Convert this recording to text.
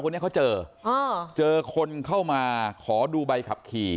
คนนี้เขาเจอเจอคนเข้ามาขอดูใบขับขี่